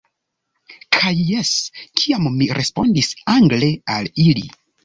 Kaj jes, kiam mi respondis angle al ili.